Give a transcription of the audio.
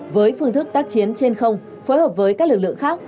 với phương thức tác chiến trên không phối hợp với các lực lượng khác